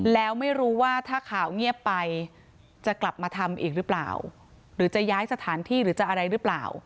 แล้วไม่รู้ว่าถ้าข่าวเงียบไปจะกลับมาทำอีกหรือเปล่าหรือจะย้ายสถานที่หรือจะอะไรหรือเปล่า